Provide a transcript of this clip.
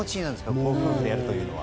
ご夫婦でやるというのは。